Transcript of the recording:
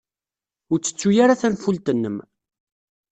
Ur ttettu ara tanfult-nnem!